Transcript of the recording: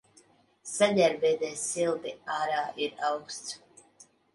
Saģērbieties silti, ārā ir auksts.